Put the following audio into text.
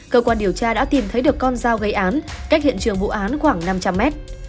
cơ quan điều tra đã tìm thấy được con dao gây án cách hiện trường vụ án khoảng năm trăm linh mét